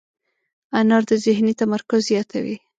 انار د ذهني تمرکز زیاتوي.